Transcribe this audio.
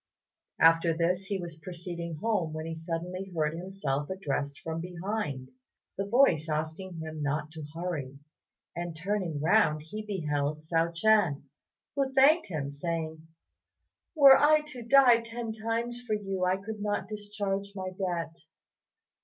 After this, he was proceeding home when he suddenly heard himself addressed from behind, the voice asking him not to hurry; and turning round he beheld Hsiao ch'ien, who thanked him, saying, "Were I to die ten times for you I could not discharge my debt.